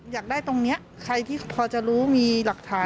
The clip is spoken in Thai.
อยากได้ตรงนี้ใครที่พอจะรู้มีหลักฐาน